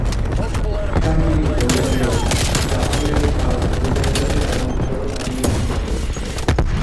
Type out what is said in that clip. তাই তিনি বলেন যে, জাপানিরাই ভারত অভিযানে যাবে এবং ভারতীয় বাহিনী সিঙ্গাপুরে থাকবে।